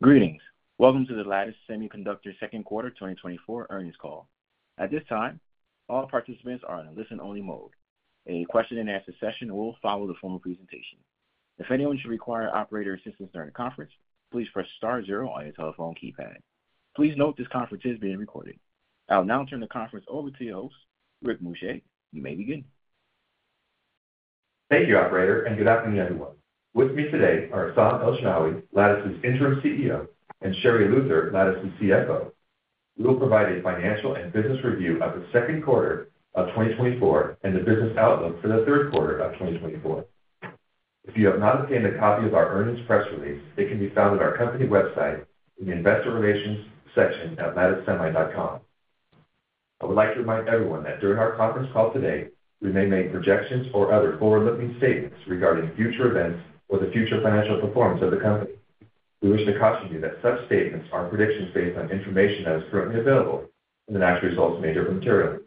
Greetings. Welcome to the Lattice Semiconductor Second Quarter 2024 earnings call. At this time, all participants are in a listen-only mode. A question-and-answer session will follow the formal presentation. If anyone should require operator assistance during the conference, please press star zero on your telephone keypad. Please note this conference is being recorded. I will now turn the conference over to your host, Rick Muscha. You may begin. Thank you, Operator, and good afternoon, everyone. With me today are Esam Elashmawi, Lattice's interim CEO, and Sherri Luther, Lattice's CFO. We will provide a financial and business review of the second quarter of 2024 and the business outlook for the third quarter of 2024. If you have not obtained a copy of our earnings press release, it can be found at our company website in the Investor Relations section at latticesemi.com. I would like to remind everyone that during our conference call today, we may make projections or other forward-looking statements regarding future events or the future financial performance of the company. We wish to caution you that such statements are predictions based on information that is currently available and the actual results may differ materially.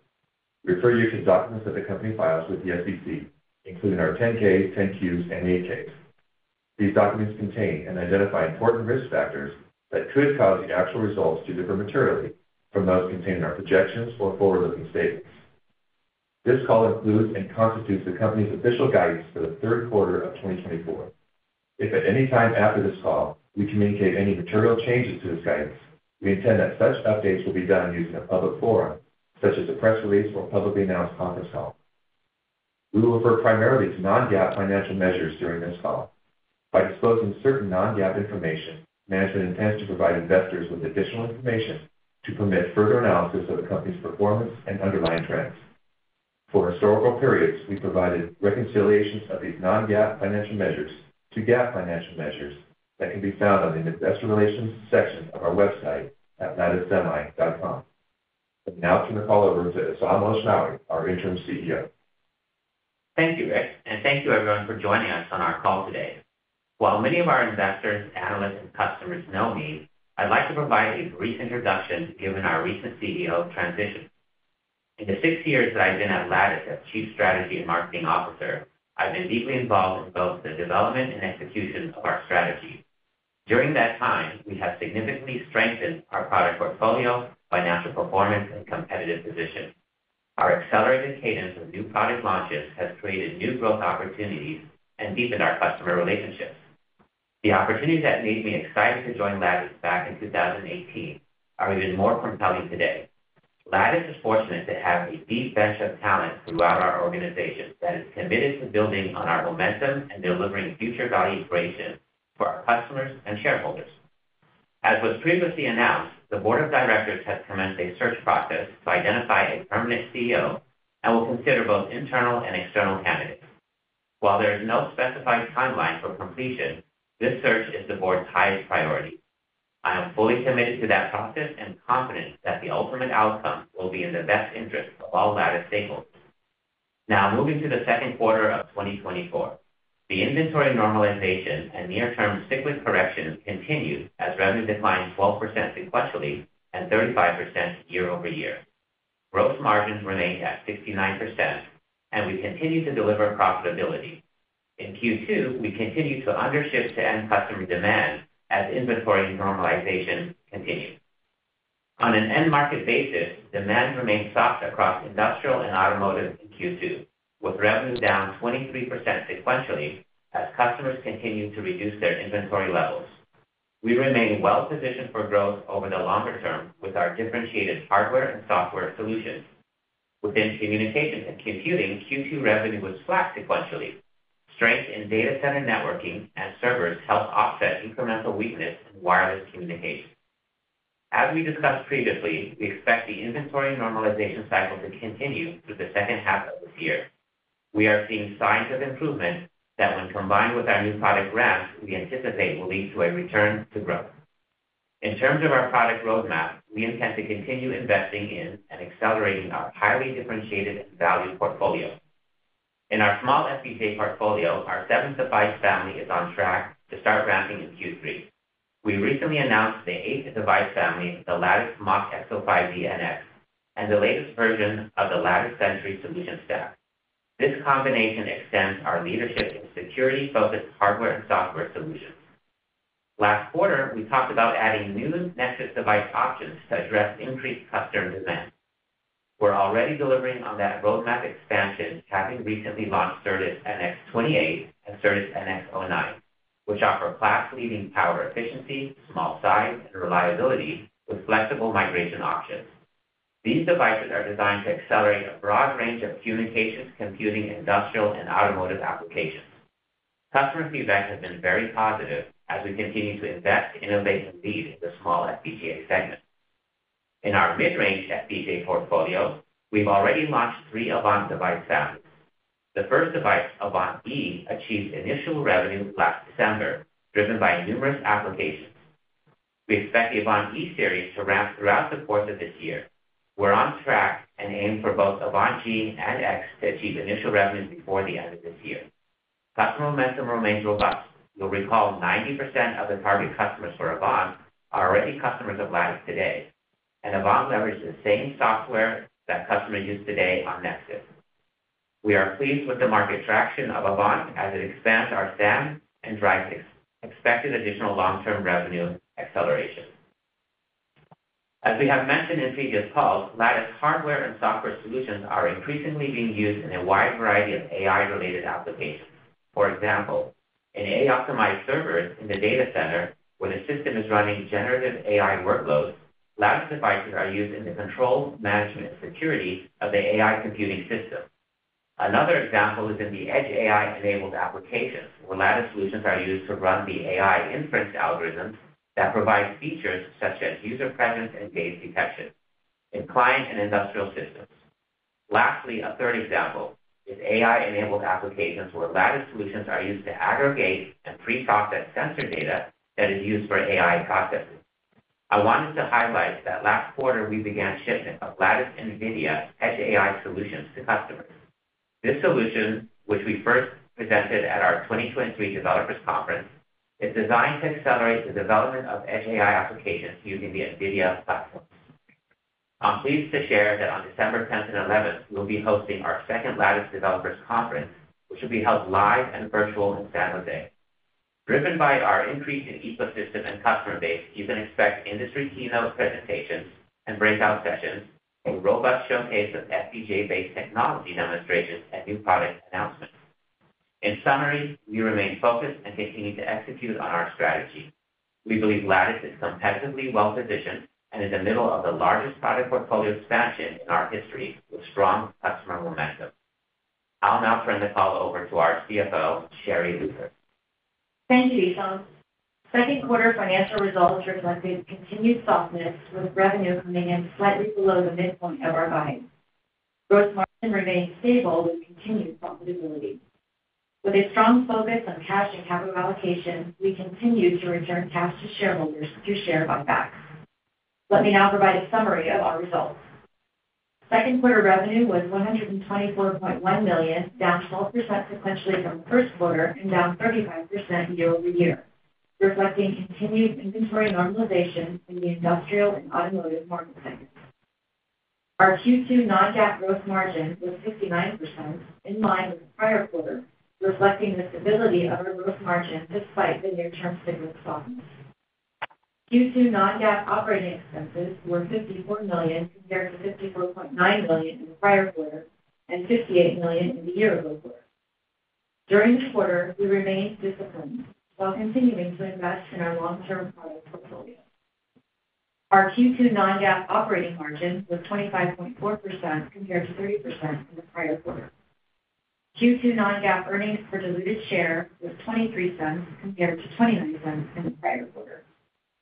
We refer you to the documents that the company files with the SEC, including our 10-Ks, 10-Qs, and 8-Ks. These documents contain and identify important risk factors that could cause the actual results to differ materially from those contained in our projections or forward-looking statements. This call includes and constitutes the company's official guidance for the third quarter of 2024. If at any time after this call we communicate any material changes to this guidance, we intend that such updates will be done using a public forum, such as a press release or publicly announced conference call. We will refer primarily to non-GAAP financial measures during this call. By disclosing certain non-GAAP information, management intends to provide investors with additional information to permit further analysis of the company's performance and underlying trends. For historical periods, we provided reconciliations of these non-GAAP financial measures to GAAP financial measures that can be found on the Investor Relations section of our website at latticesemi.com. I now turn the call over to Esam Elashmawi, our Interim CEO. Thank you, Rick, and thank you, everyone, for joining us on our call today. While many of our investors, analysts, and customers know me, I'd like to provide a brief introduction given our recent CEO transition. In the six years that I've been at Lattice as Chief Strategy and Marketing Officer, I've been deeply involved in both the development and execution of our strategy. During that time, we have significantly strengthened our product portfolio, financial performance, and competitive position. Our accelerated cadence of new product launches has created new growth opportunities and deepened our customer relationships. The opportunities that made me excited to join Lattice back in 2018 are even more compelling today. Lattice is fortunate to have a deep bench of talent throughout our organization that is committed to building on our momentum and delivering future value creation for our customers and shareholders. As was previously announced, the Board of Directors has commenced a search process to identify a permanent CEO and will consider both internal and external candidates. While there is no specified timeline for completion, this search is the board's highest priority. I am fully committed to that process and confident that the ultimate outcome will be in the best interest of all Lattice stakeholders. Now, moving to the second quarter of 2024, the inventory normalization and near-term cyclic correction continued as revenue declined 12% sequentially and 35% year-over-year. Gross margins remained at 69%, and we continue to deliver profitability. In Q2, we continue to undership to end customer demand as inventory normalization continues. On an end-market basis, demand remained soft across industrial and automotive in Q2, with revenue down 23% sequentially as customers continued to reduce their inventory levels. We remain well-positioned for growth over the longer term with our differentiated hardware and software solutions. Within communications and computing, Q2 revenue was flat sequentially. Strength in data center networking and servers helped offset incremental weakness in wireless communication. As we discussed previously, we expect the inventory normalization cycle to continue through the second half of this year. We are seeing signs of improvement that, when combined with our new product grants, we anticipate will lead to a return to growth. In terms of our product roadmap, we intend to continue investing in and accelerating our highly differentiated and valued portfolio. In our small FPGA portfolio, our seventh device family is on track to start ramping in Q3. We recently announced the eighth device family, the Lattice MachXO5D, and the latest version of the Lattice Sentry Solution Stack. This combination extends our leadership in security-focused hardware and software solutions. Last quarter, we talked about adding new Nexus device options to address increased customer demand. We're already delivering on that roadmap expansion, having recently launched Certus-NX-28 and Certus-NX-09, which offer class-leading power efficiency, small size, and reliability with flexible migration options. These devices are designed to accelerate a broad range of communications, computing, industrial, and automotive applications. Customer feedback has been very positive as we continue to invest, innovate, and lead in the small FPGA segment. In our mid-range FPGA portfolio, we've already launched three Avant device families. The first device, Avant-E, achieved initial revenue last December, driven by numerous applications. We expect the Avant-E series to ramp throughout the course of this year. We're on track and aim for both Avant-G and X to achieve initial revenue before the end of this year. Customer momentum remains robust. You'll recall 90% of the target customers for Avant are already customers of Lattice today, and Avant leverages the same software that customers use today on Nexus. We are pleased with the market traction of Avant as it expands our SAM and drives expected additional long-term revenue acceleration. As we have mentioned in previous calls, Lattice hardware and software solutions are increasingly being used in a wide variety of AI-related applications. For example, in AI-optimized servers in the data center, where the system is running generative AI workloads, Lattice devices are used in the control, management, and security of the AI computing system. Another example is in the edge AI-enabled applications, where Lattice solutions are used to run the AI inference algorithms that provide features such as user presence and gaze detection in client and industrial systems. Lastly, a third example is AI-enabled applications, where Lattice solutions are used to aggregate and pre-process sensor data that is used for AI processes. I wanted to highlight that last quarter we began shipment of Lattice NVIDIA edge AI solutions to customers. This solution, which we first presented at our 2023 Developers Conference, is designed to accelerate the development of edge AI applications using the NVIDIA platform. I'm pleased to share that on December 10th and 11th, we'll be hosting our second Lattice Developers Conference, which will be held live and virtual in San Jose. Driven by our increasing ecosystem and customer base, you can expect industry keynote presentations and breakout sessions, a robust showcase of FPGA-based technology demonstrations, and new product announcements. In summary, we remain focused and continue to execute on our strategy. We believe Lattice is competitively well-positioned and is in the middle of the largest product portfolio expansion in our history with strong customer momentum. I'll now turn the call over to our CFO, Sherri Luther. Thank you, Esam. Second quarter financial results reflected continued softness, with revenue coming in slightly below the midpoint of our guidance. Gross margin remained stable with continued profitability. With a strong focus on cash and capital allocation, we continue to return cash to shareholders through share buybacks. Let me now provide a summary of our results. Second quarter revenue was $124.1 million, down 12% sequentially from first quarter, and down 35% year-over-year, reflecting continued inventory normalization in the industrial and automotive market segments. Our Q2 non-GAAP gross margin was 59%, in line with the prior quarter, reflecting the stability of our gross margin despite the near-term signal softness. Q2 non-GAAP operating expenses were $54 million compared to $54.9 million in the prior quarter and $58 million in the year-over-year. During the quarter, we remained disciplined while continuing to invest in our long-term product portfolio. Our Q2 non-GAAP operating margin was 25.4% compared to 30% in the prior quarter. Q2 non-GAAP earnings per diluted share was $0.23 compared to $0.29 in the prior quarter.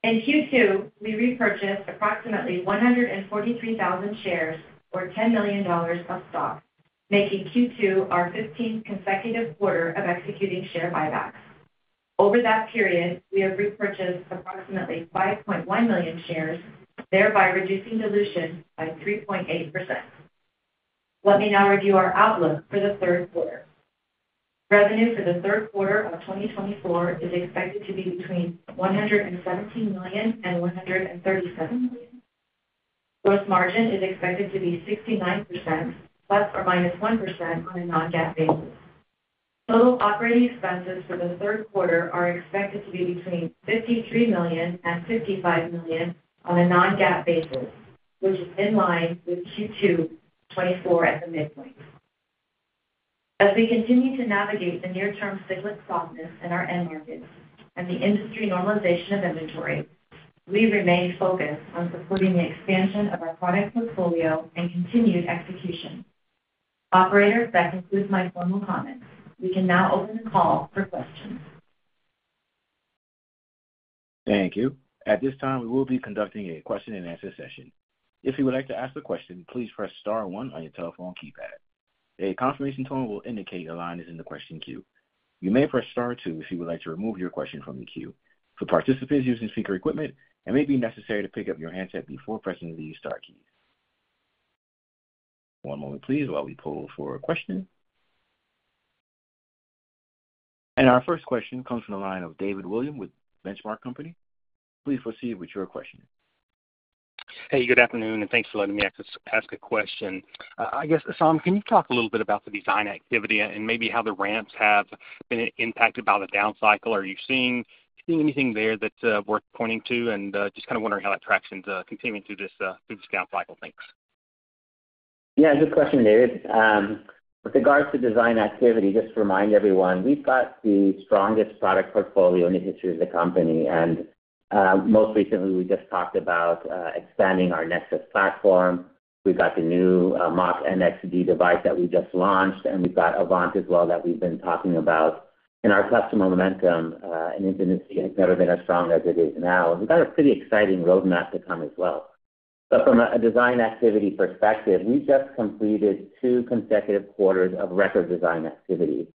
In Q2, we repurchased approximately 143,000 shares or $10 million of stock, making Q2 our 15th consecutive quarter of executing share buybacks. Over that period, we have repurchased approximately 5.1 million shares, thereby reducing dilution by 3.8%. Let me now review our outlook for the third quarter. Revenue for the third quarter of 2024 is expected to be between $117 million and $137 million. Gross margin is expected to be 69% ±1% on a non-GAAP basis. Total operating expenses for the third quarter are expected to be between $53 million and $55 million on a non-GAAP basis, which is in line with Q2, 2024 at the midpoint. As we continue to navigate the near-term cyclic softness in our end markets and the industry normalization of inventory, we remain focused on supporting the expansion of our product portfolio and continued execution. Operator, that concludes my formal comments. We can now open the call for questions. Thank you. At this time, we will be conducting a question-and-answer session. If you would like to ask a question, please press star one on your telephone keypad. A confirmation tone will indicate a line is in the question queue. You may press star two if you would like to remove your question from the queue. For participants using speaker equipment, it may be necessary to pick up your handset before pressing the star key. One moment, please, while we poll for a question. And our first question comes from the line of David Williams with Benchmark Company. Please proceed with your question. Hey, good afternoon, and thanks for letting me ask a question. I guess, Esam, can you talk a little bit about the design activity and maybe how the ramps have been impacted by the down cycle? Are you seeing anything there that's worth pointing to? And just kind of wondering how that traction's continuing through this down cycle. Thanks. Yeah, good question, David. With regards to design activity, just to remind everyone, we've got the strongest product portfolio in the history of the company. And most recently, we just talked about expanding our Nexus platform. We've got the new Mach NXD device that we just launched, and we've got Avant as well that we've been talking about. And our customer momentum and intimacy has never been as strong as it is now. We've got a pretty exciting roadmap to come as well. But from a design activity perspective, we just completed two consecutive quarters of record design activity.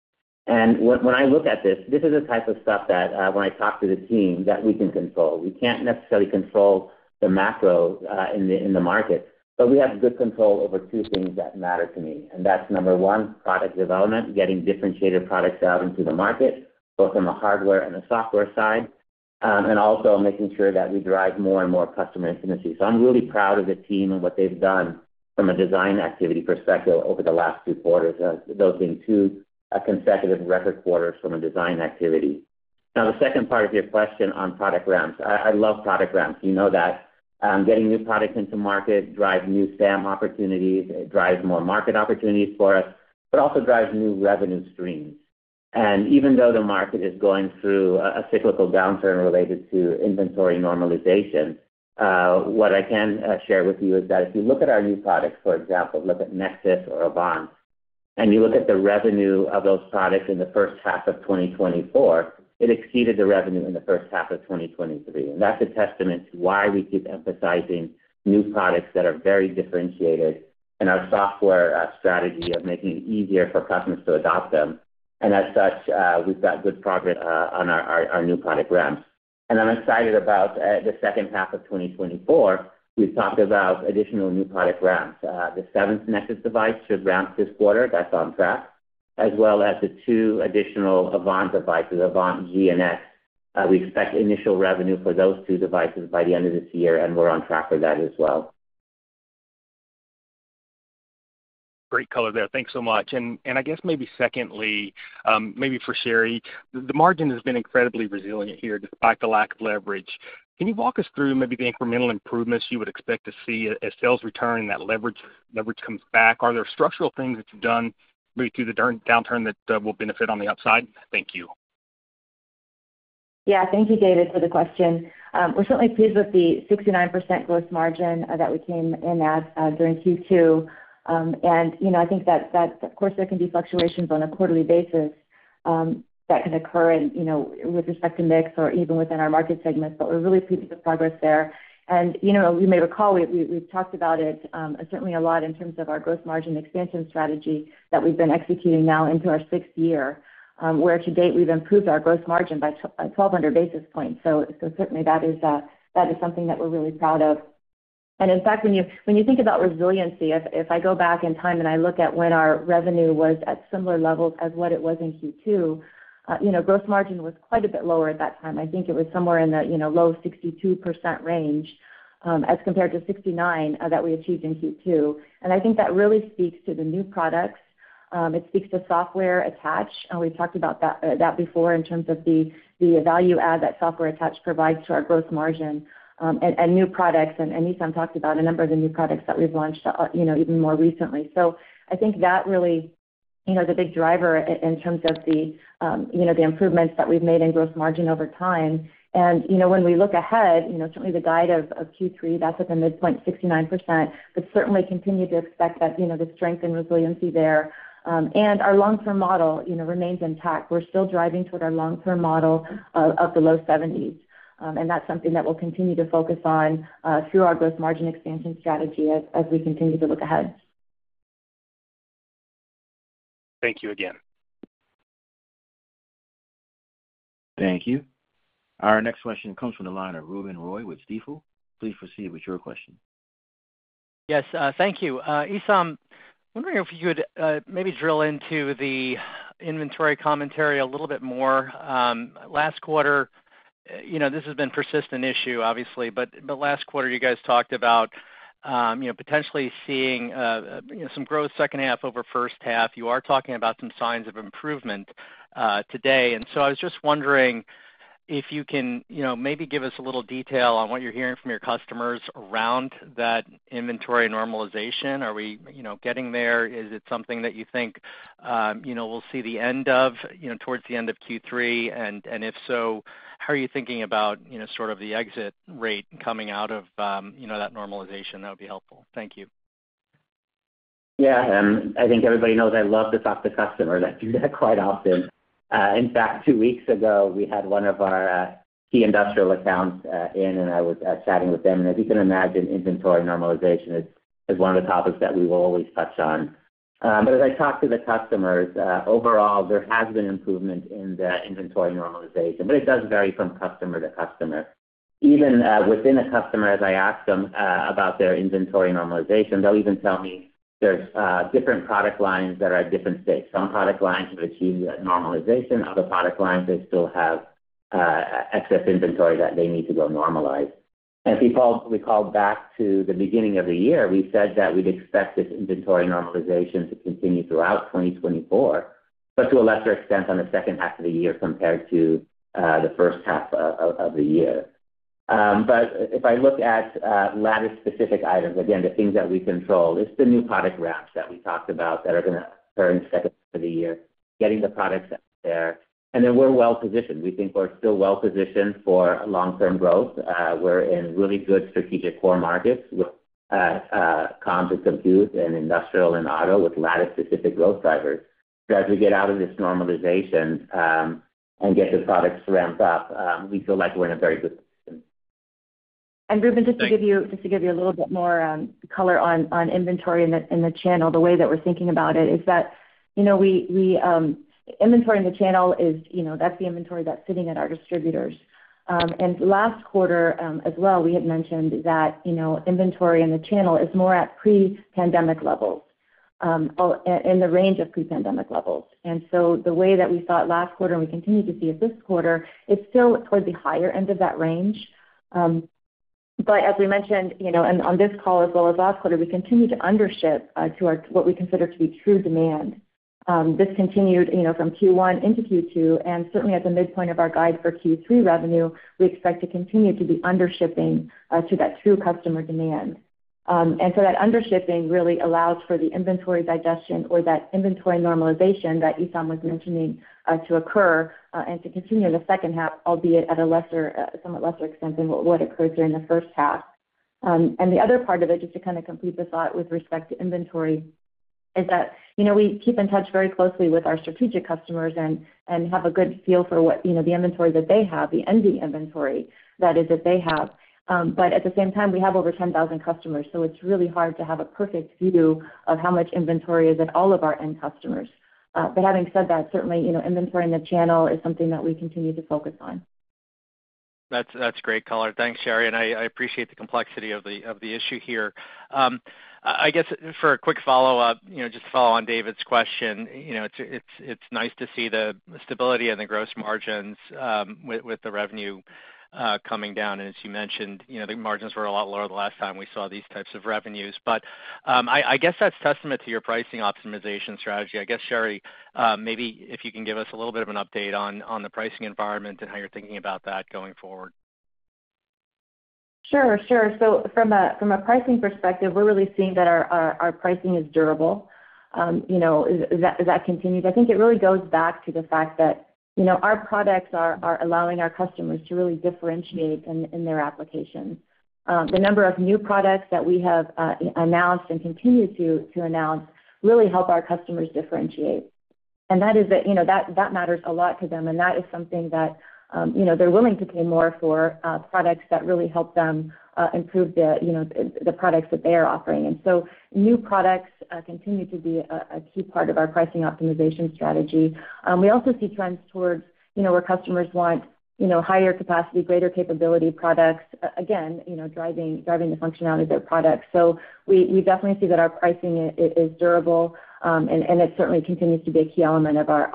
And when I look at this, this is the type of stuff that, when I talk to the team, that we can control. We can't necessarily control the macro in the market, but we have good control over two things that matter to me. That's number one, product development, getting differentiated products out into the market, both on the hardware and the software side, and also making sure that we drive more and more customer intimacy. I'm really proud of the team and what they've done from a design activity perspective over the last 2 quarters, those being 2 consecutive record quarters from a design activity. Now, the second part of your question on product ramps, I love product ramps. You know that. Getting new products into market drives new SAM opportunities. It drives more market opportunities for us, but also drives new revenue streams. Even though the market is going through a cyclical downturn related to inventory normalization, what I can share with you is that if you look at our new products, for example, look at Nexus or Avant, and you look at the revenue of those products in the first half of 2024, it exceeded the revenue in the first half of 2023. That's a testament to why we keep emphasizing new products that are very differentiated and our software strategy of making it easier for customers to adopt them. As such, we've got good progress on our new product ramps. I'm excited about the second half of 2024. We've talked about additional new product ramps. The seventh Nexus device should ramp this quarter. That's on track. As well as the two additional Avant devices, Avant-G and X. We expect initial revenue for those two devices by the end of this year, and we're on track for that as well. Great color there. Thanks so much. I guess maybe secondly, maybe for Sherri, the margin has been incredibly resilient here despite the lack of leverage. Can you walk us through maybe the incremental improvements you would expect to see as sales return and that leverage comes back? Are there structural things that you've done maybe through the downturn that will benefit on the upside? Thank you. Yeah, thank you, David, for the question. We're certainly pleased with the 69% gross margin that we came in at during Q2. And I think that, of course, there can be fluctuations on a quarterly basis that can occur with respect to mix or even within our market segment, but we're really pleased with the progress there. And you may recall we've talked about it certainly a lot in terms of our gross margin expansion strategy that we've been executing now into our sixth year, where to date we've improved our gross margin by 1,200 basis points. So certainly that is something that we're really proud of. And in fact, when you think about resiliency, if I go back in time and I look at when our revenue was at similar levels as what it was in Q2, gross margin was quite a bit lower at that time. I think it was somewhere in the low 62% range as compared to 69% that we achieved in Q2. I think that really speaks to the new products. It speaks to software attached. We've talked about that before in terms of the value add that software attached provides to our gross margin and new products. Esam talked about a number of the new products that we've launched even more recently. I think that really is a big driver in terms of the improvements that we've made in gross margin over time. When we look ahead, certainly the guide of Q3, that's at the midpoint, 69%, but certainly continue to expect that the strength and resiliency there. Our long-term model remains intact. We're still driving toward our long-term model of the low 70s%. That's something that we'll continue to focus on through our gross margin expansion strategy as we continue to look ahead. Thank you again. Thank you. Our next question comes from the line of Ruben Roy with Stifel. Please proceed with your question. Yes, thank you. Esam, wondering if you could maybe drill into the inventory commentary a little bit more. Last quarter, this has been a persistent issue, obviously, but last quarter you guys talked about potentially seeing some growth second half over first half. You are talking about some signs of improvement today. And so I was just wondering if you can maybe give us a little detail on what you're hearing from your customers around that inventory normalization. Are we getting there? Is it something that you think we'll see the end of towards the end of Q3? And if so, how are you thinking about sort of the exit rate coming out of that normalization? That would be helpful. Thank you. Yeah, I think everybody knows I love to talk to customers. I do that quite often. In fact, two weeks ago, we had one of our key industrial accounts in, and I was chatting with them. And as you can imagine, inventory normalization is one of the topics that we will always touch on. But as I talk to the customers, overall, there has been improvement in the inventory normalization, but it does vary from customer to customer. Even within a customer, as I ask them about their inventory normalization, they'll even tell me there's different product lines that are at different states. Some product lines have achieved normalization. Other product lines, they still have excess inventory that they need to go normalize. And we called back to the beginning of the year. We said that we'd expect this inventory normalization to continue throughout 2024, but to a lesser extent on the second half of the year compared to the first half of the year. But if I look at Lattice-specific items, again, the things that we control, it's the new product ramps that we talked about that are going to occur in the second half of the year, getting the products there. And then we're well-positioned. We think we're still well-positioned for long-term growth. We're in really good strategic core markets with comms and compute and industrial and auto with Lattice-specific growth drivers. As we get out of this normalization and get the products ramped up, we feel like we're in a very good position. Ruben, just to give you a little bit more color on inventory in the channel, the way that we're thinking about it is that inventory in the channel, that's the inventory that's sitting at our distributors. Last quarter as well, we had mentioned that inventory in the channel is more at pre-pandemic levels in the range of pre-pandemic levels. So the way that we thought last quarter, and we continue to see it this quarter, it's still towards the higher end of that range. As we mentioned, and on this call as well as last quarter, we continue to undership to what we consider to be true demand. This continued from Q1 into Q2. Certainly at the midpoint of our guide for Q3 revenue, we expect to continue to be undershipping to that true customer demand. And so that undershipping really allows for the inventory digestion or that inventory normalization that Esam was mentioning to occur and to continue in the second half, albeit at a somewhat lesser extent than what occurred during the first half. And the other part of it, just to kind of complete the thought with respect to inventory, is that we keep in touch very closely with our strategic customers and have a good feel for the inventory that they have, the ending inventory that is that they have. But at the same time, we have over 10,000 customers, so it's really hard to have a perfect view of how much inventory is at all of our end customers. But having said that, certainly inventory in the channel is something that we continue to focus on. That's great color. Thanks, Sherri. I appreciate the complexity of the issue here. I guess for a quick follow-up, just to follow on David's question, it's nice to see the stability in the gross margins with the revenue coming down. As you mentioned, the margins were a lot lower the last time we saw these types of revenues. I guess that's testament to your pricing optimization strategy. I guess, Sherri, maybe if you can give us a little bit of an update on the pricing environment and how you're thinking about that going forward. Sure, sure. From a pricing perspective, we're really seeing that our pricing is durable. As that continues, I think it really goes back to the fact that our products are allowing our customers to really differentiate in their applications. The number of new products that we have announced and continue to announce really help our customers differentiate. That matters a lot to them. That is something that they're willing to pay more for products that really help them improve the products that they are offering. New products continue to be a key part of our pricing optimization strategy. We also see trends towards where customers want higher capacity, greater capability products, again, driving the functionality of their products. We definitely see that our pricing is durable, and it certainly continues to be a key element of our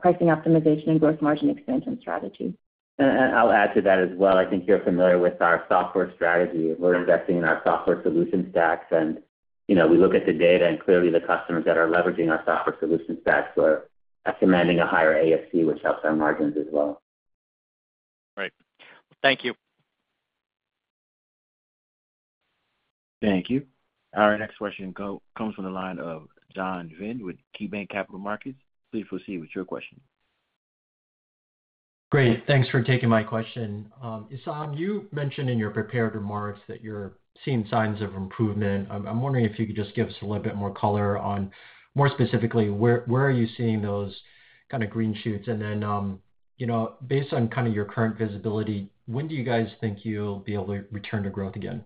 pricing optimization and gross margin expansion strategy. I'll add to that as well. I think you're familiar with our software strategy. We're investing in our software solution stacks. We look at the data, and clearly the customers that are leveraging our software solution stacks are demanding a higher ASP, which helps our margins as well. Great. Thank you. Thank you. Our next question comes from the line of John Vinh with KeyBanc Capital Markets. Please proceed with your question. Great. Thanks for taking my question. Esam, you mentioned in your prepared remarks that you're seeing signs of improvement. I'm wondering if you could just give us a little bit more color on more specifically, where are you seeing those kind of green shoots? And then based on kind of your current visibility, when do you guys think you'll be able to return to growth again?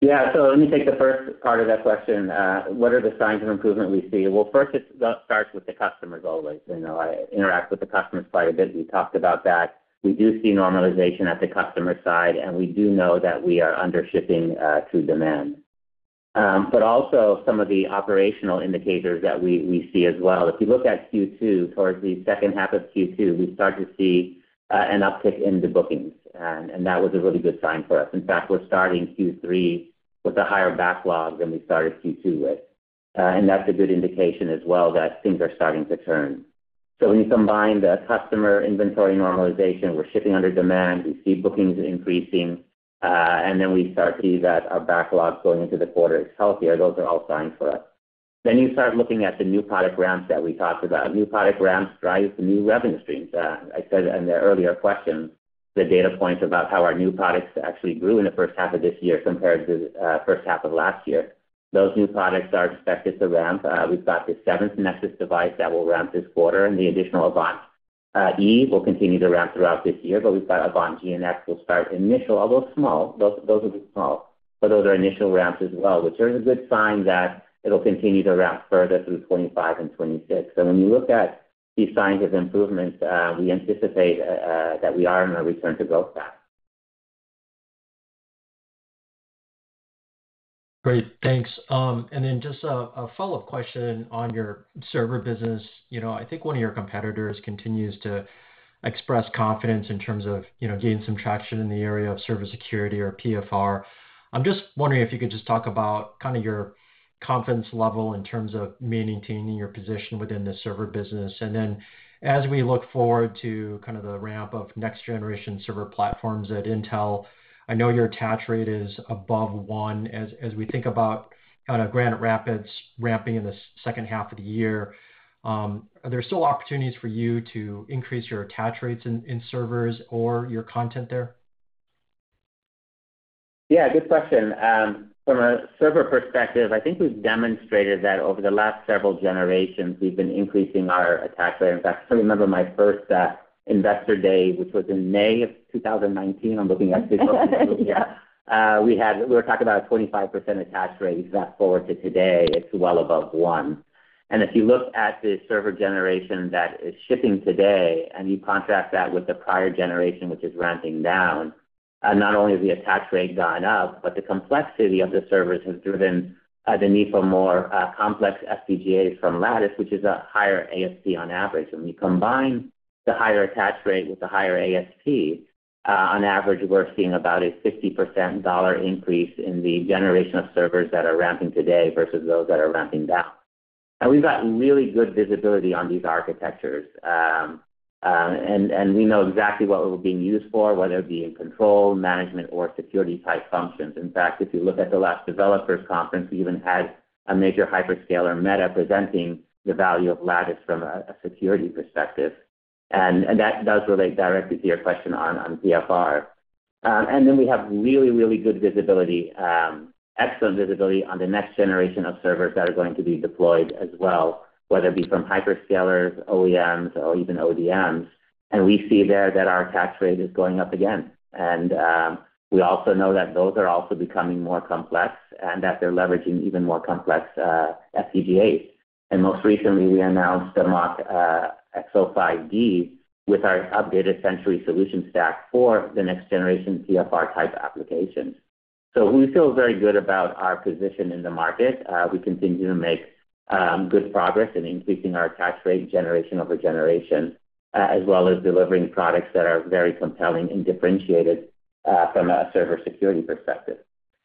Yeah. So let me take the first part of that question. What are the signs of improvement we see? Well, first, it starts with the customers always. I interact with the customers quite a bit. We talked about that. We do see normalization at the customer side, and we do know that we are undershipping through demand. But also some of the operational indicators that we see as well. If you look at Q2, towards the second half of Q2, we start to see an uptick in the bookings. And that was a really good sign for us. In fact, we're starting Q3 with a higher backlog than we started Q2 with. And that's a good indication as well that things are starting to turn. So when you combine the customer inventory normalization, we're shipping under demand, we see bookings increasing, and then we start to see that our backlog going into the quarter is healthier. Those are all signs for us. You start looking at the new product ramps that we talked about. New product ramps drive the new revenue streams. I said in the earlier question, the data points about how our new products actually grew in the first half of this year compared to the first half of last year. Those new products are expected to ramp. We've got the seventh Nexus device that will ramp this quarter. The additional Avant E will continue to ramp throughout this year. We've got Avant-G and X will start initial, although small. Those will be small. Those are initial ramps as well, which are a good sign that it'll continue to ramp further through 2025 and 2026. When you look at these signs of improvement, we anticipate that we are in a return to growth path. Great. Thanks. Then just a follow-up question on your server business. I think one of your competitors continues to express confidence in terms of gaining some traction in the area of server security or PFR. I'm just wondering if you could just talk about kind of your confidence level in terms of maintaining your position within the server business. Then as we look forward to kind of the ramp of next-generation server platforms at Intel, I know your attach rate is above one. As we think about kind of Grand Rapids ramping in the second half of the year, are there still opportunities for you to increase your attach rates in servers or your content there? Yeah, good question. From a server perspective, I think we've demonstrated that over the last several generations, we've been increasing our attach rate. In fact, I remember my first investor day, which was in May of 2019. I'm looking at this one. We were talking about a 25% attach rate. Fast forward to today. It's well above 1. And if you look at the server generation that is shipping today and you contrast that with the prior generation, which is ramping down, not only has the attach rate gone up, but the complexity of the servers has driven the need for more complex FPGAs from Lattice, which is a higher ASP on average. When you combine the higher attach rate with the higher ASP, on average, we're seeing about a 50% dollar increase in the generation of servers that are ramping today versus those that are ramping down. We've got really good visibility on these architectures. We know exactly what we're being used for, whether it be in control, management, or security-type functions. In fact, if you look at the last Developers Conference, we even had a major hyperscaler Meta presenting the value of Lattice from a security perspective. That does relate directly to your question on PFR. We have really, really good visibility, excellent visibility on the next generation of servers that are going to be deployed as well, whether it be from hyperscalers, OEMs, or even ODMs. We see there that our attach rate is going up again. We also know that those are also becoming more complex and that they're leveraging even more complex FPGAs. Most recently, we announced the MachXO5D with our updated Sentry Solution Stack for the next generation PFR-type applications. So we feel very good about our position in the market. We continue to make good progress in increasing our attach rate generation over generation, as well as delivering products that are very compelling and differentiated from a server security perspective.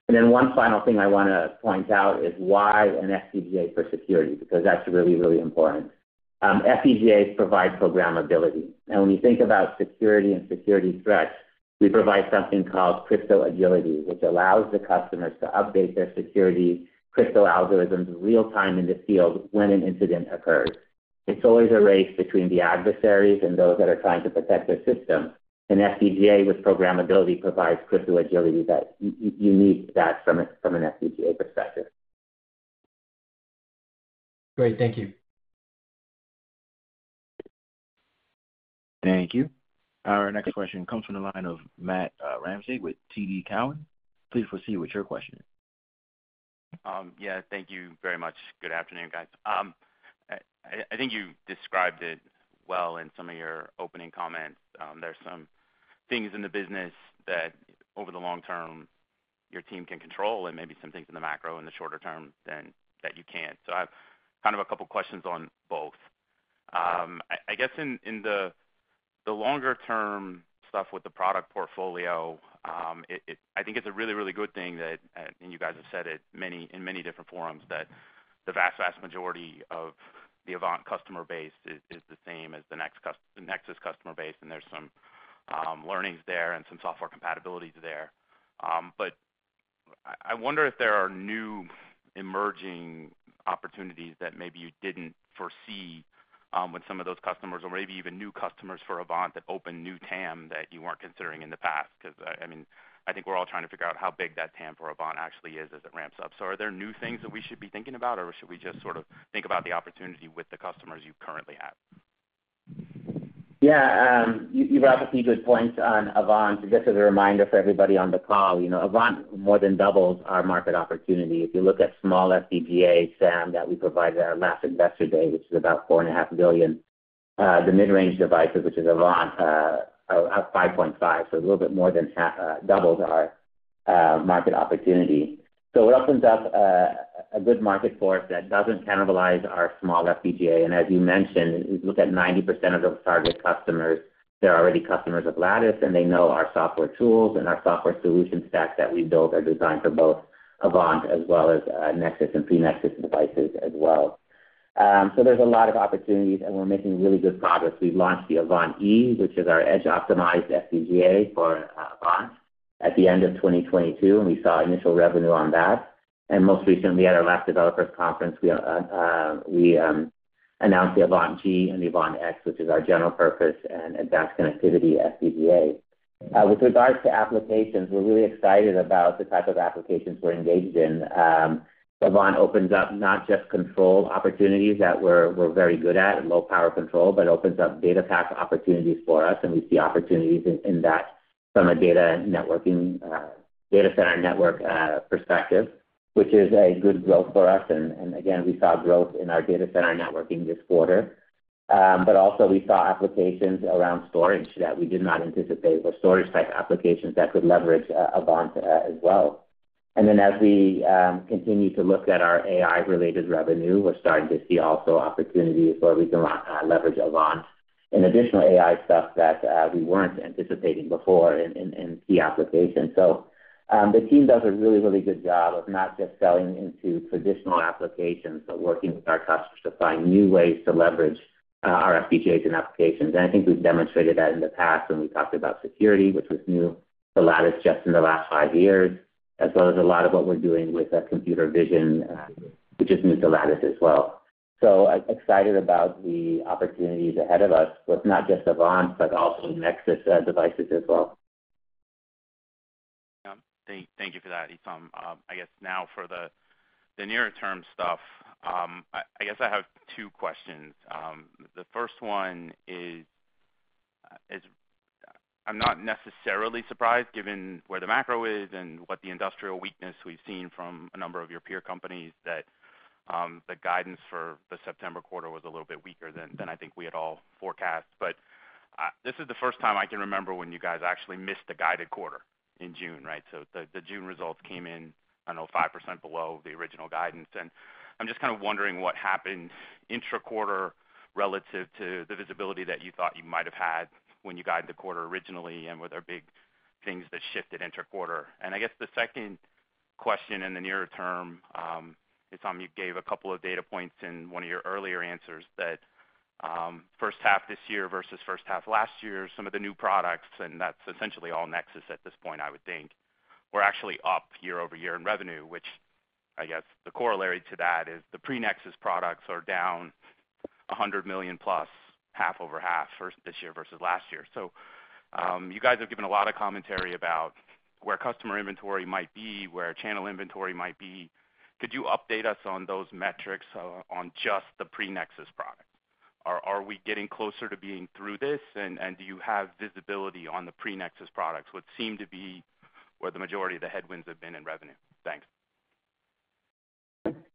And then one final thing I want to point out is why an FPGA for security, because that's really, really important. FPGAs provide programmability. And when you think about security and security threats, we provide something called crypto agility, which allows the customers to update their security crypto algorithms real-time in the field when an incident occurs. It's always a race between the adversaries and those that are trying to protect their system. An FPGA with programmability provides crypto agility that you need from an FPGA perspective. Great. Thank you. Thank you. Our next question comes from the line of Matt Ramsey with TD Cowen. Please proceed with your question. Yeah, thank you very much. Good afternoon, guys. I think you described it well in some of your opening comments. There are some things in the business that over the long term, your team can control and maybe some things in the macro in the shorter term than that you can't. So I have kind of a couple of questions on both. I guess in the longer-term stuff with the product portfolio, I think it's a really, really good thing that, and you guys have said it in many different forums, that the vast, vast majority of the Avant customer base is the same as the Nexus customer base. And there's some learnings there and some software compatibility there. But I wonder if there are new emerging opportunities that maybe you didn't foresee with some of those customers or maybe even new customers for Avant that open new TAM that you weren't considering in the past. Because I mean, I think we're all trying to figure out how big that TAM for Avant actually is as it ramps up. So are there new things that we should be thinking about, or should we just sort of think about the opportunity with the customers you currently have? Yeah. You brought up some good points on Avant. Just as a reminder for everybody on the call, Avant more than doubles our market opportunity. If you look at small FPGAs that we provided at our last investor day, which is about $4.5 billion, the mid-range devices, which is Avant, are $5.5 billion. So a little bit more than doubled our market opportunity. So it opens up a good market for us that doesn't cannibalize our small FPGA. And as you mentioned, if you look at 90% of those target customers, they're already customers of Lattice, and they know our software tools and our software solution stack that we built are designed for both Avant as well as Nexus and pre-Nexus devices as well. So there's a lot of opportunities, and we're making really good progress. We launched the Avant-E, which is our edge-optimized FPGA for Avant at the end of 2022, and we saw initial revenue on that. Most recently, at our last Developers Conference, we announced the Avant-G and the Avant-X, which is our general-purpose and advanced connectivity FPGA. With regards to applications, we're really excited about the type of applications we're engaged in. Avant opens up not just control opportunities that we're very good at, low-power control, but opens up data path opportunities for us. We see opportunities in that from a data networking, data center network perspective, which is a good growth for us. Again, we saw growth in our data center networking this quarter. Also, we saw applications around storage that we did not anticipate were storage-type applications that could leverage Avant as well. Then as we continue to look at our AI-related revenue, we're starting to see also opportunities where we can leverage Avant in additional AI stuff that we weren't anticipating before in key applications. So the team does a really, really good job of not just selling into traditional applications, but working with our customers to find new ways to leverage our FPGAs and applications. And I think we've demonstrated that in the past when we talked about security, which was new to Lattice just in the last five years, as well as a lot of what we're doing with computer vision, which is new to Lattice as well. So excited about the opportunities ahead of us with not just Avant, but also Nexus devices as well. Yeah. Thank you for that, Esam. I guess now for the near-term stuff, I guess I have two questions. The first one is I'm not necessarily surprised given where the macro is and what the industrial weakness we've seen from a number of your peer companies that the guidance for the September quarter was a little bit weaker than I think we had all forecast. But this is the first time I can remember when you guys actually missed the guided quarter in June, right? So the June results came in, I don't know, 5% below the original guidance. And I'm just kind of wondering what happened intra-quarter relative to the visibility that you thought you might have had when you guided the quarter originally, and were there big things that shifted intra-quarter? And I guess the second question in the near term, Esam, you gave a couple of data points in one of your earlier answers that first half this year versus first half last year, some of the new products, and that's essentially all Nexus at this point, I would think, were actually up year-over-year in revenue, which I guess the corollary to that is the pre-Nexus products are down $100 million plus, half over half this year versus last year. So you guys have given a lot of commentary about where customer inventory might be, where channel inventory might be. Could you update us on those metrics on just the pre-Nexus products? Are we getting closer to being through this? And do you have visibility on the pre-Nexus products, what seem to be where the majority of the headwinds have been in revenue? Thanks.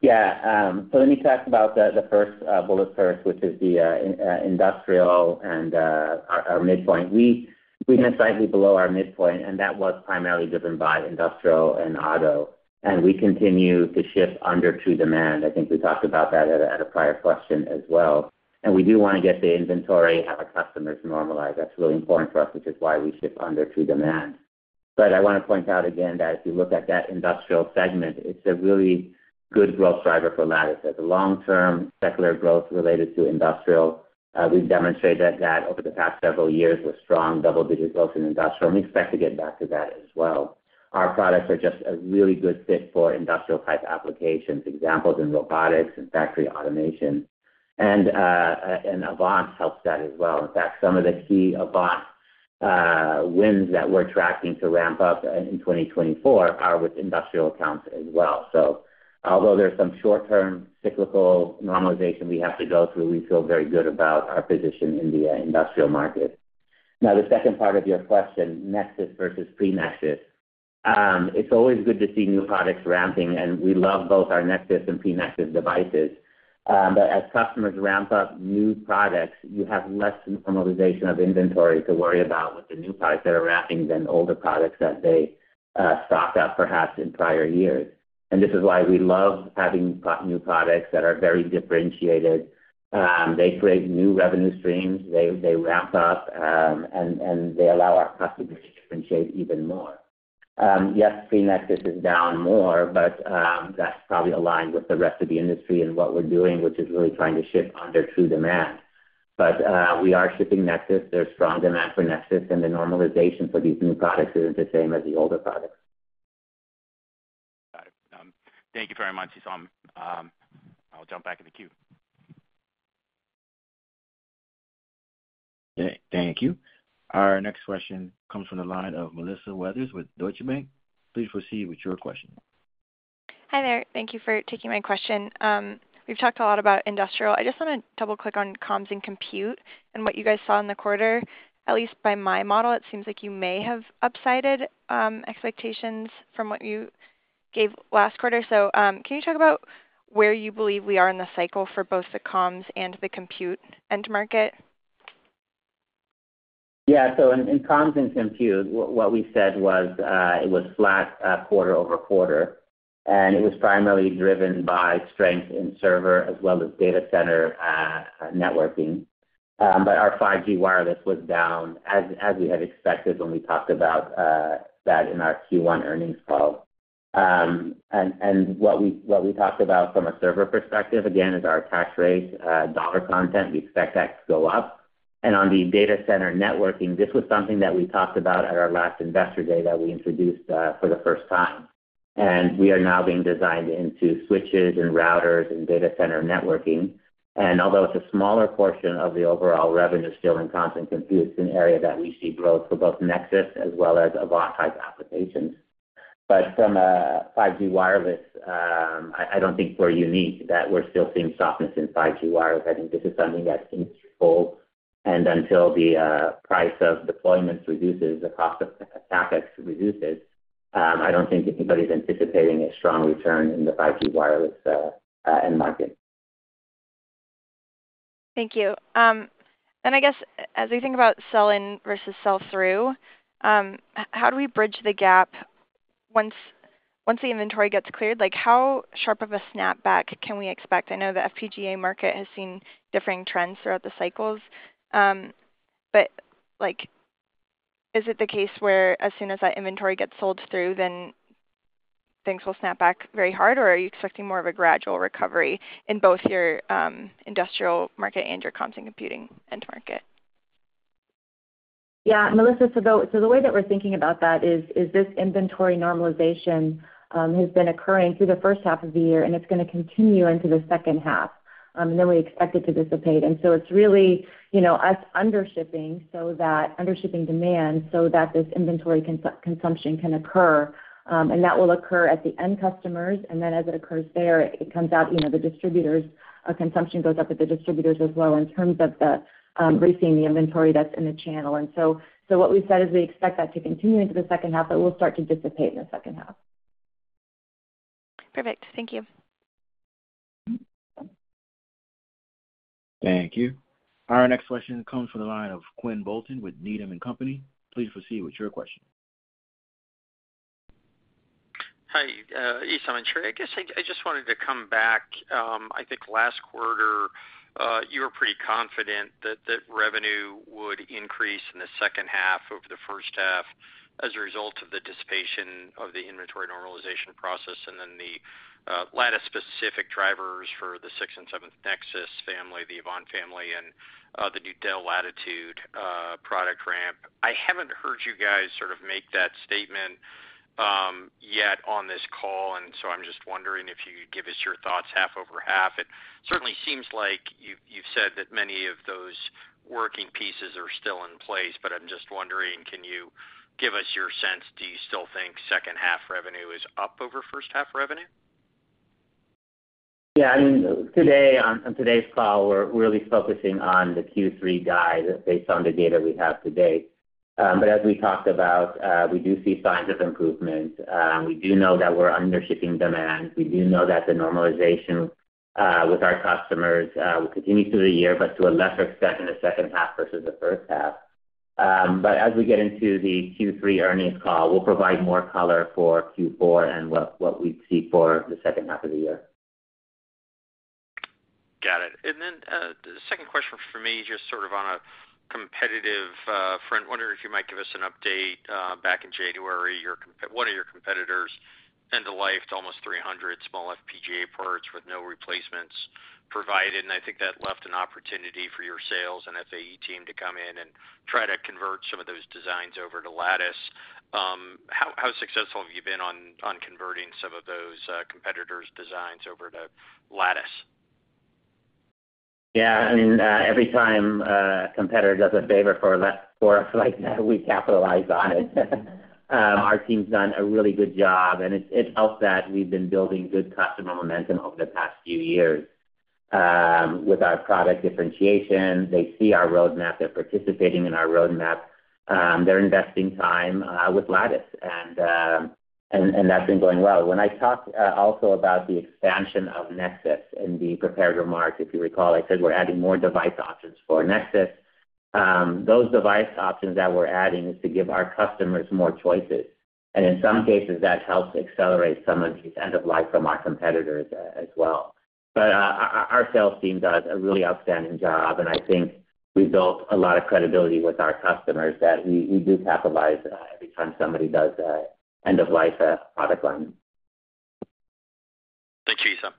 Yeah. So let me talk about the first bullet first, which is the industrial and our midpoint. We've been slightly below our midpoint, and that was primarily driven by industrial and auto. And we continue to ship under to demand. I think we talked about that at a prior question as well. And we do want to get the inventory of our customers to normalize. That's really important for us, which is why we ship under to demand. But I want to point out again that if you look at that industrial segment, it's a really good growth driver for Lattice. As a long-term secular growth related to industrial, we've demonstrated that over the past several years with strong double-digit growth in industrial. And we expect to get back to that as well. Our products are just a really good fit for industrial-type applications, examples in robotics and factory automation. And Avant helps that as well. In fact, some of the key Avant wins that we're tracking to ramp up in 2024 are with industrial accounts as well. So although there's some short-term cyclical normalization we have to go through, we feel very good about our position in the industrial market. Now, the second part of your question, Nexus versus pre-Nexus, it's always good to see new products ramping. And we love both our Nexus and pre-Nexus devices. But as customers ramp up new products, you have less normalization of inventory to worry about with the new products that are ramping than older products that they stocked up perhaps in prior years. And this is why we love having new products that are very differentiated. They create new revenue streams. They ramp up, and they allow our customers to differentiate even more. Yes, pre-Nexus is down more, but that's probably aligned with the rest of the industry and what we're doing, which is really trying to shift under to demand. But we are shipping Nexus. There's strong demand for Nexus, and the normalization for these new products isn't the same as the older products. Got it. Thank you very much, Esam. I'll jump back in the queue. Okay. Thank you. Our next question comes from the line of Melissa Weathers with Deutsche Bank. Please proceed with your question. Hi there. Thank you for taking my question. We've talked a lot about industrial. I just want to double-click on comms and compute and what you guys saw in the quarter. At least by my model, it seems like you may have upside to expectations from what you gave last quarter. So can you talk about where you believe we are in the cycle for both the comms and the compute end-market? Yeah. So in comms and compute, what we said was it was flat quarter over quarter. And it was primarily driven by strength in server as well as data center networking. But our 5G wireless was down, as we had expected when we talked about that in our Q1 earnings call. And what we talked about from a server perspective, again, is our attach rate, dollar content. We expect that to go up. And on the data center networking, this was something that we talked about at our last investor day that we introduced for the first time. And we are now being designed into switches and routers and data center networking. And although it's a smaller portion of the overall revenue still in comms and compute, it's an area that we see growth for both Nexus as well as Avant-type applications. But from a 5G wireless, I don't think we're unique that we're still seeing softness in 5G wireless. I think this is something that's industry-wide. And until the price of deployments reduces, the cost of attach reduces, I don't think anybody's anticipating a strong return in the 5G wireless end-market. Thank you. And I guess as we think about sell-in versus sell-through, how do we bridge the gap once the inventory gets cleared? How sharp of a snapback can we expect? I know the FPGA market has seen differing trends throughout the cycles. But is it the case where as soon as that inventory gets sold through, then things will snap back very hard? Or are you expecting more of a gradual recovery in both your industrial market and your comms and computing end market? Yeah. Melissa, so the way that we're thinking about that is this inventory normalization has been occurring through the first half of the year, and it's going to continue into the second half. Then we expect it to dissipate. So it's really us undershipping so that undershipping demand so that this inventory consumption can occur. That will occur at the end customers. Then as it occurs there, it comes out to the distributors. Our consumption goes up at the distributors as well in terms of the replenishing, the inventory that's in the channel. So what we said is we expect that to continue into the second half, but it will start to dissipate in the second half. Perfect. Thank you. Thank you. Our next question comes from the line of Quinn Bolton with Needham & Company. Please proceed with your question. Hi, Esam and Tristan. I guess I just wanted to come back. I think last quarter, you were pretty confident that revenue would increase in the second half over the first half as a result of the dissipation of the inventory normalization process and then the Lattice-specific drivers for the sixth and seventh Nexus family, the Avant family, and the new Dell Latitude product ramp. I haven't heard you guys sort of make that statement yet on this call. And so I'm just wondering if you'd give us your thoughts half over half. It certainly seems like you've said that many of those working pieces are still in place. But I'm just wondering, can you give us your sense? Do you still think second half revenue is up over first half revenue? Yeah. I mean, today on today's call, we're really focusing on the Q3 guide based on the data we have today. But as we talked about, we do see signs of improvement. We do know that we're undershipping demand. We do know that the normalization with our customers will continue through the year, but to a lesser extent in the second half versus the first half. But as we get into the Q3 earnings call, we'll provide more color for Q4 and what we see for the second half of the year. Got it. And then the second question for me, just sort of on a competitive front, wondering if you might give us an update. Back in January, one of your competitors ended the life to almost 300 small FPGA parts with no replacements provided. And I think that left an opportunity for your sales and FAE team to come in and try to convert some of those designs over to Lattice. How successful have you been on converting some of those competitors' designs over to Lattice? Yeah. I mean, every time a competitor does a favor for us like that, we capitalize on it. Our team's done a really good job. And it's helped that we've been building good customer momentum over the past few years with our product differentiation. They see our roadmap. They're participating in our roadmap. They're investing time with Lattice. And that's been going well. When I talked also about the expansion of Nexus in the prepared remark, if you recall, I said we're adding more device options for Nexus. Those device options that we're adding is to give our customers more choices. And in some cases, that helps accelerate some of these end-of-life from our competitors as well. But our sales team does a really outstanding job. And I think we built a lot of credibility with our customers that we do capitalize every time somebody does end-of-life product line. Thank you, Esam.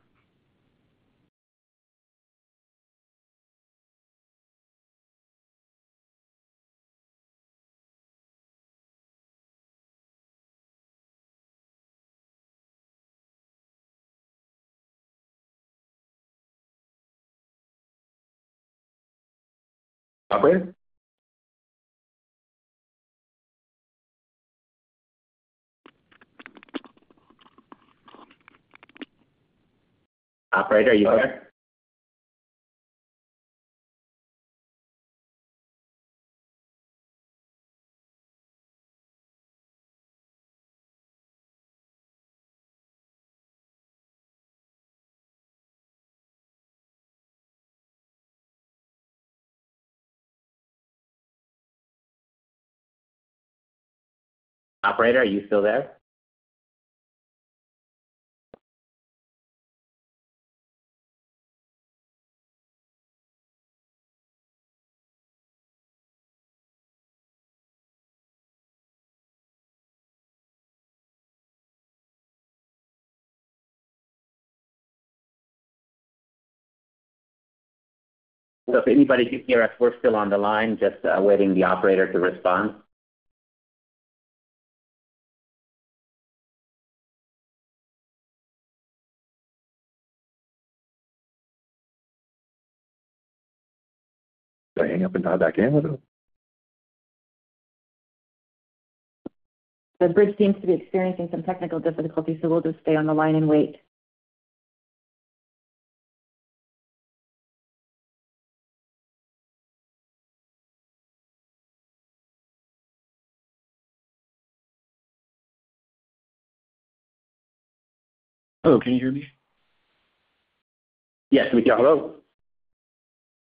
Operator? Operator, are you there? Operator, are you still there? So if anybody can hear us, we're still on the line, just waiting the operator to respond. Did I hang up and dial back in a little? The bridge seems to be experiencing some technical difficulties, so we'll just stay on the line and wait. Hello. Can you hear me? Yes, we can. Hello.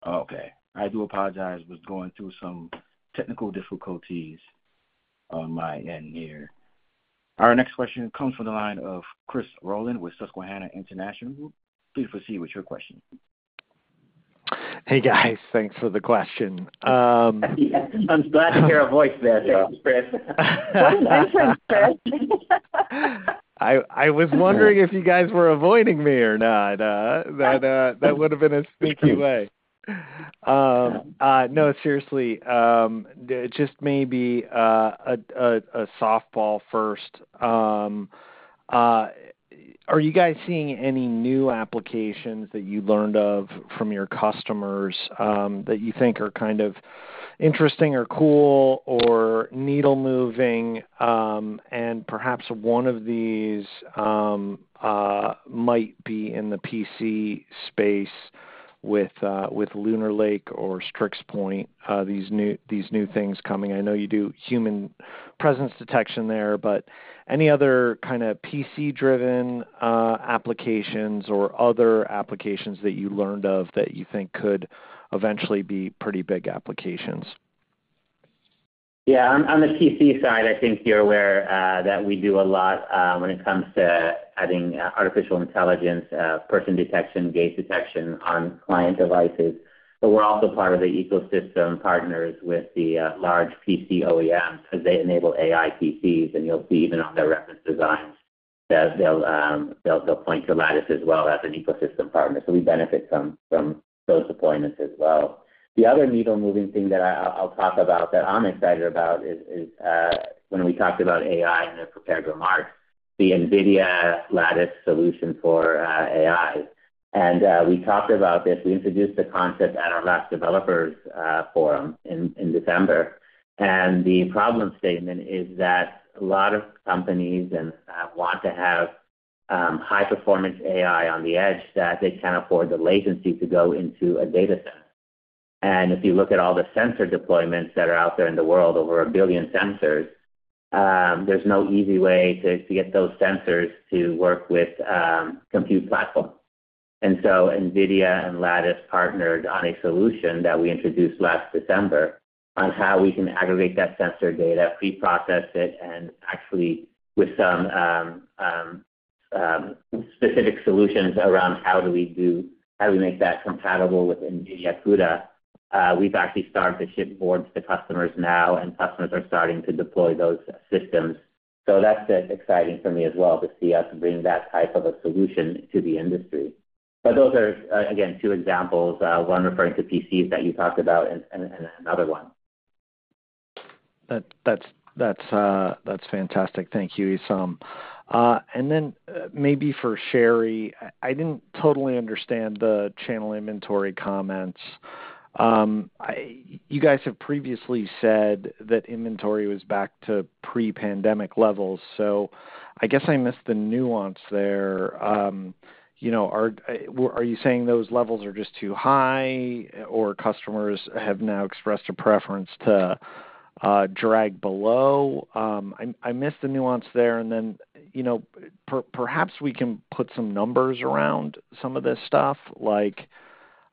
Okay. I do apologize. I was going through some technical difficulties on my end here. Our next question comes from the line of Chris Rolland with Susquehanna International Group. Please proceed with your question. Hey, guys. Thanks for the question. I'm glad to hear a voice there. Thanks, Chris. I was wondering if you guys were avoiding me or not. That would have been a sneaky way. No, seriously, just maybe a softball first. Are you guys seeing any new applications that you learned of from your customers that you think are kind of interesting or cool or needle-moving? And perhaps one of these might be in the PC space with Lunar Lake or Strix Point, these new things coming. I know you do human presence detection there, but any other kind of PC-driven applications or other applications that you learned of that you think could eventually be pretty big applications? Yeah. On the PC side, I think you're aware that we do a lot when it comes to adding artificial intelligence, person detection, gaze detection on client devices. But we're also part of the ecosystem partners with the large PC OEMs because they enable AI PCs. And you'll see even on their reference designs that they'll point to Lattice as well as an ecosystem partner. So we benefit from those deployments as well. The other needle-moving thing that I'll talk about that I'm excited about is when we talked about AI in the prepared remarks, the NVIDIA Lattice solution for AI. And we talked about this. We introduced the concept at our last developers forum in December. And the problem statement is that a lot of companies want to have high-performance AI on the edge that they can't afford the latency to go into a data center. And if you look at all the sensor deployments that are out there in the world, over 1 billion sensors, there's no easy way to get those sensors to work with compute platforms. And so NVIDIA and Lattice partnered on a solution that we introduced last December on how we can aggregate that sensor data, preprocess it, and actually with some specific solutions around how do we make that compatible with NVIDIA CUDA. We've actually started to ship boards to customers now, and customers are starting to deploy those systems. So that's exciting for me as well to see us bring that type of a solution to the industry. But those are, again, two examples, one referring to PCs that you talked about and another one. That's fantastic. Thank you, Esam. And then maybe for Sherri, I didn't totally understand the channel inventory comments. You guys have previously said that inventory was back to pre-pandemic levels. So I guess I missed the nuance there. Are you saying those levels are just too high or customers have now expressed a preference to drag below? I missed the nuance there. And then perhaps we can put some numbers around some of this stuff, like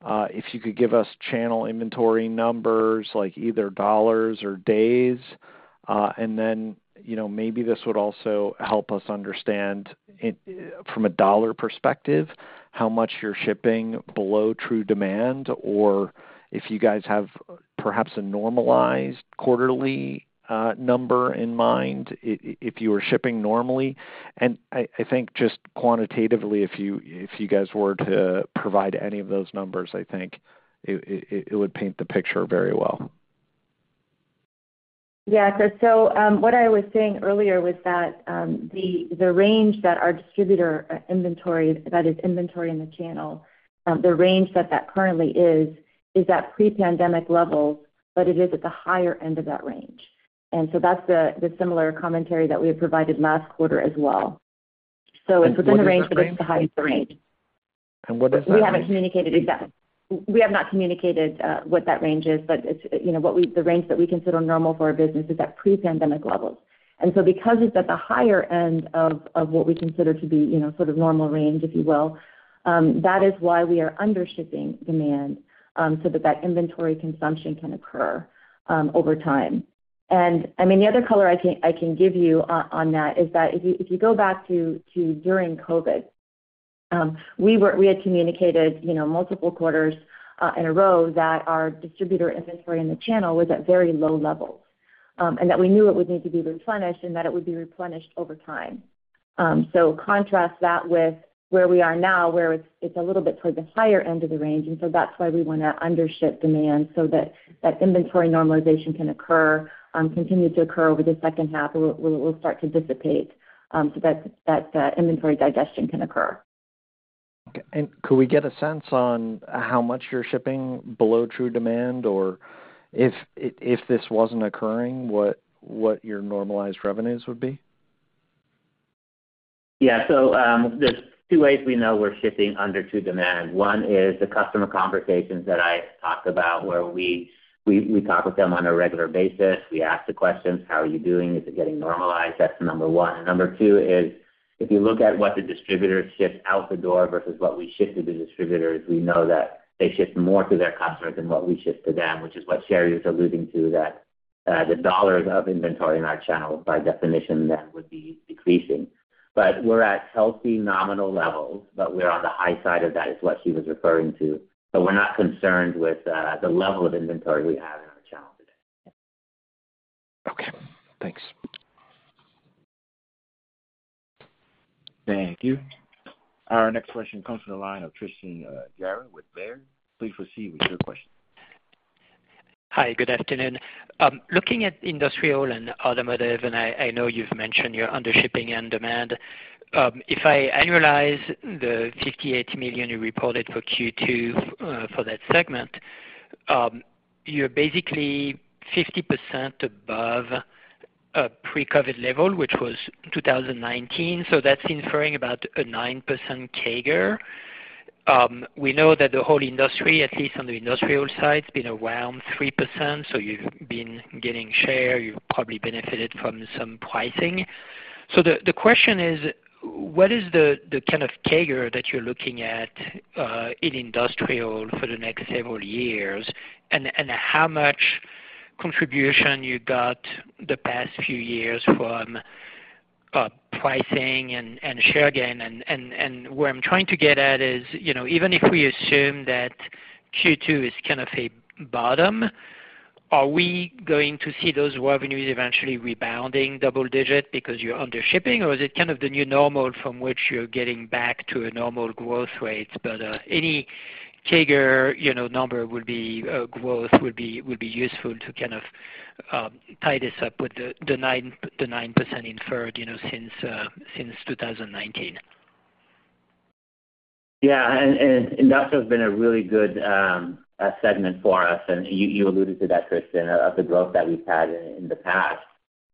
if you could give us channel inventory numbers, like either dollars or days. And then maybe this would also help us understand from a dollar perspective how much you're shipping below true demand or if you guys have perhaps a normalized quarterly number in mind if you were shipping normally. And I think just quantitatively, if you guys were to provide any of those numbers, I think it would paint the picture very well. Yeah. So what I was saying earlier was that the range that our distributor inventory that is inventory in the channel, the range that that currently is, is at pre-pandemic levels, but it is at the higher end of that range. And so that's the similar commentary that we had provided last quarter as well. So it's within the range but it's the highest range. And what is that? We haven't communicated exactly. We have not communicated what that range is. But the range that we consider normal for our business is at pre-pandemic levels. And so because it's at the higher end of what we consider to be sort of normal range, if you will, that is why we are undershipping demand so that that inventory consumption can occur over time. And I mean, the other color I can give you on that is that if you go back to during COVID, we had communicated multiple quarters in a row that our distributor inventory in the channel was at very low levels and that we knew it would need to be replenished and that it would be replenished over time. So contrast that with where we are now, where it's a little bit towards the higher end of the range. And so that's why we want to under-ship demand so that that inventory normalization can occur, continue to occur over the second half, or it will start to dissipate so that inventory digestion can occur. Okay. And could we get a sense on how much you're shipping below true demand? Or if this wasn't occurring, what your normalized revenues would be? Yeah. So there's two ways we know we're shipping under true demand. One is the customer conversations that I talked about where we talk with them on a regular basis. We ask the questions, "How are you doing? Is it getting normalized?" That's number one. And number two is if you look at what the distributors ship out the door versus what we ship to the distributors, we know that they ship more to their customers than what we ship to them, which is what Sherri was alluding to, that the dollars of inventory in our channel by definition then would be decreasing. But we're at healthy nominal levels, but we're on the high side of that is what she was referring to. But we're not concerned with the level of inventory we have in our channel today. Okay. Thanks. Thank you. Our next question comes from the line of Tristan Gerra with Baird. Please proceed with your question. Hi. Good afternoon. Looking at industrial and automotive, and I know you've mentioned your undershipping and demand, if I analyze the $58 million you reported for Q2 for that segment, you're basically 50% above a pre-COVID level, which was 2019. So that's inferring about a 9% CAGR. We know that the whole industry, at least on the industrial side, has been around 3%. So you've been getting share. You've probably benefited from some pricing. So the question is, what is the kind of CAGR that you're looking at in industrial for the next several years and how much contribution you got the past few years from pricing and share gain? And what I'm trying to get at is, even if we assume that Q2 is kind of a bottom, are we going to see those revenues eventually rebounding double-digit because you're undershipping? Or is it kind of the new normal from which you're getting back to normal growth rates? But any CAGR number would be growth would be useful to kind of tie this up with the 9% inferred since 2019. Yeah. And industrial has been a really good segment for us. And you alluded to that, Tristan, of the growth that we've had in the past.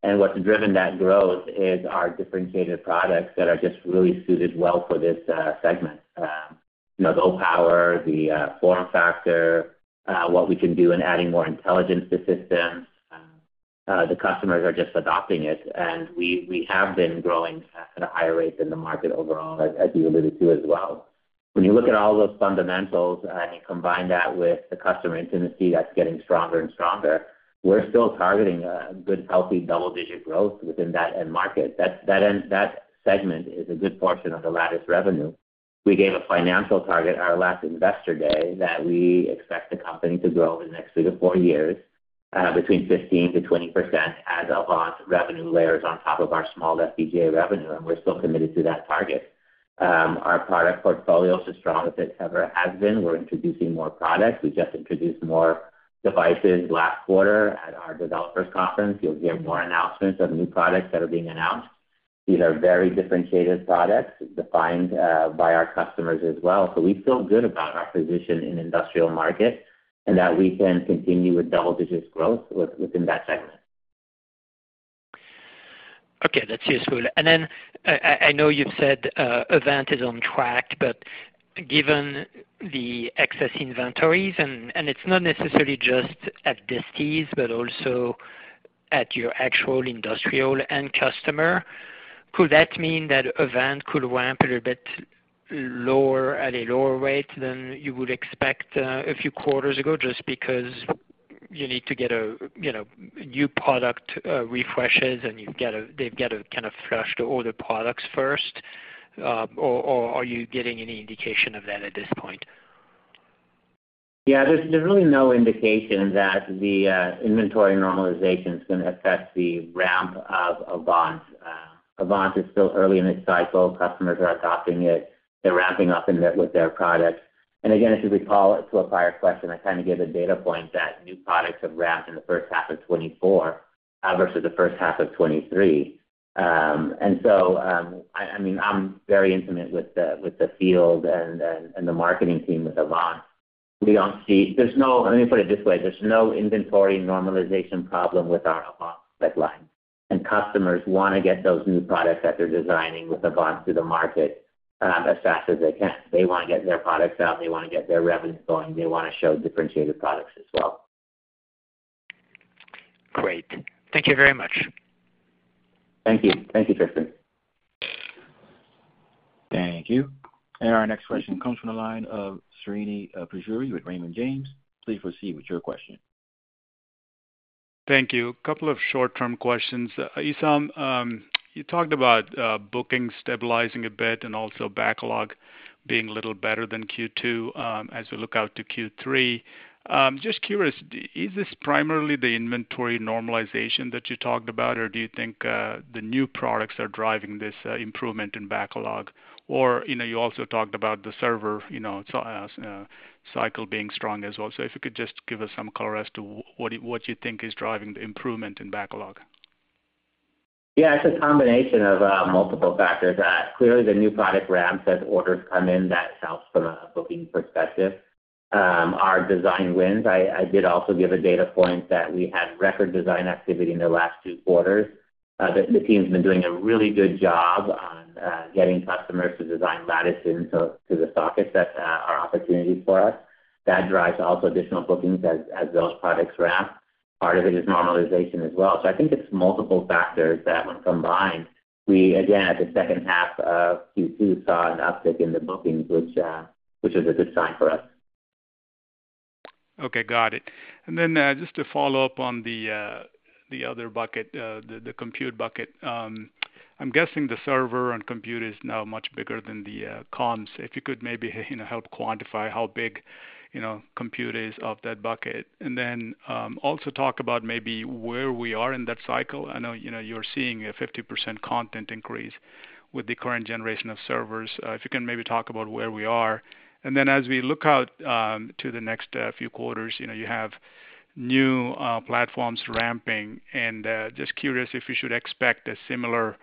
And what's driven that growth is our differentiated products that are just really suited well for this segment: the power, the form factor, what we can do in adding more intelligence to systems. The customers are just adopting it. And we have been growing at a higher rate than the market overall, as you alluded to as well. When you look at all those fundamentals and you combine that with the customer intimacy that's getting stronger and stronger, we're still targeting a good, healthy double-digit growth within that end market. That segment is a good portion of the Lattice revenue. We gave a financial target at our last investor day that we expect the company to grow over the next 3 to 4 years between 15%-20% as our revenue layers on top of our small FPGA revenue. We're still committed to that target. Our product portfolio is as strong as it ever has been. We're introducing more products. We just introduced more devices last quarter at our developers conference. You'll hear more announcements of new products that are being announced. These are very differentiated products defined by our customers as well. We feel good about our position in the industrial market and that we can continue with double-digit growth within that segment. Okay. That's useful. And then I know you've said Avant is on track, but given the excess inventories, and it's not necessarily just at the disties, but also at your actual industrial end customer, could that mean that Avant could ramp a little bit lower at a lower rate than you would expect a few quarters ago just because you need to get new product refreshes and they've got to kind of flush the older products first? Or are you getting any indication of that at this point? Yeah. There's really no indication that the inventory normalization is going to affect the ramp of Avant. Avant is still early in its cycle. Customers are adopting it. They're ramping up with their products. And again, if you recall to a prior question, I kind of gave a data point that new products have ramped in the first half of 2024 versus the first half of 2023. And so, I mean, I'm very intimate with the field and the marketing team with Avant. There's no, let me put it this way, there's no inventory normalization problem with our Avant spec line. And customers want to get those new products that they're designing with Avant to the market as fast as they can. They want to get their products out. They want to get their revenue going. They want to show differentiated products as well. Great. Thank you very much. Thank you. Thank you, Tristan. Thank you. Our next question comes from the line of Srini Pajjuri with Raymond James. Please proceed with your question. Thank you. A couple of short-term questions. Esam, you talked about bookings stabilizing a bit and also backlog being a little better than Q2 as we look out to Q3. Just curious, is this primarily the inventory normalization that you talked about, or do you think the new products are driving this improvement in backlog? Or you also talked about the server cycle being strong as well. So if you could just give us some color as to what you think is driving the improvement in backlog. Yeah. It's a combination of multiple factors. Clearly, the new product ramps as orders come in. That helps from a booking perspective. Our design wins. I did also give a data point that we had record design activity in the last two quarters. The team's been doing a really good job on getting customers to design Lattice into the sockets. That's our opportunity for us. That drives also additional bookings as those products ramp. Part of it is normalization as well. So I think it's multiple factors that when combined, we again, at the second half of Q2, saw an uptick in the bookings, which is a good sign for us. Okay. Got it. And then just to follow up on the other bucket, the compute bucket, I'm guessing the server and compute is now much bigger than the comms. If you could maybe help quantify how big compute is of that bucket. And then also talk about maybe where we are in that cycle. I know you're seeing a 50% content increase with the current generation of servers. If you can maybe talk about where we are. And then as we look out to the next few quarters, you have new platforms ramping. And just curious if you should expect a similar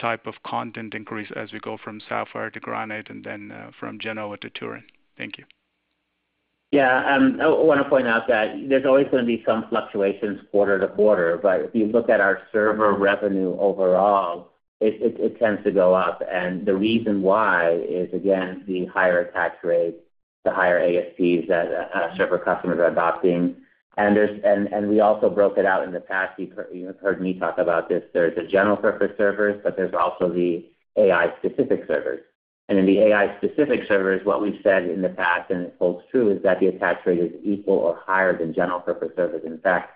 type of content increase as we go from Sapphire to Granite and then from Genoa to Turin. Thank you. Yeah. I want to point out that there's always going to be some fluctuations quarter to quarter. But if you look at our server revenue overall, it tends to go up. And the reason why is, again, the higher attach rate, the higher ASPs that server customers are adopting. And we also broke it out in the past. You've heard me talk about this. There's the general-purpose servers, but there's also the AI-specific servers. And in the AI-specific servers, what we've said in the past, and it holds true, is that the attach rate is equal or higher than general-purpose servers. In fact,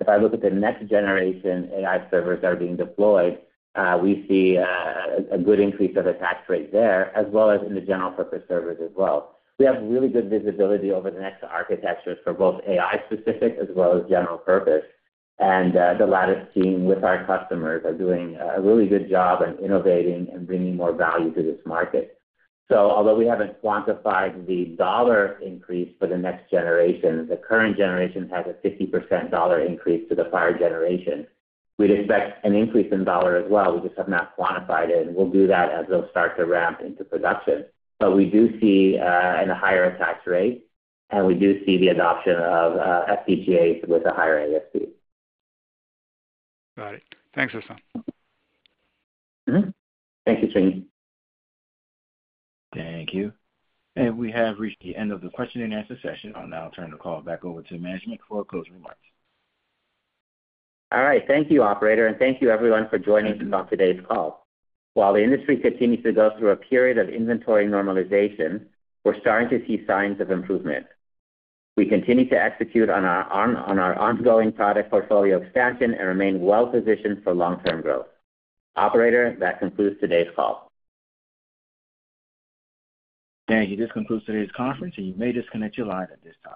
if I look at the next generation AI servers that are being deployed, we see a good increase of attach rate there as well as in the general-purpose servers as well. We have really good visibility over the next architectures for both AI-specific as well as general-purpose. The Lattice team with our customers are doing a really good job in innovating and bringing more value to this market. Although we haven't quantified the dollar increase for the next generation, the current generation has a 50% dollar increase to the prior generation. We'd expect an increase in dollar as well. We just have not quantified it. We'll do that as they'll start to ramp into production. But we do see a higher attach rate, and we do see the adoption of FPGAs with a higher ASP. Got it. Thanks, Esam. Thank you, Srini. Thank you. We have reached the end of the question and answer session. I'll now turn the call back over to management for closing remarks. All right. Thank you, Operator. Thank you, everyone, for joining us on today's call. While the industry continues to go through a period of inventory normalization, we're starting to see signs of improvement. We continue to execute on our ongoing product portfolio expansion and remain well-positioned for long-term growth. Operator, that concludes today's call. Thank you. This concludes today's conference, and you may disconnect your line at this time.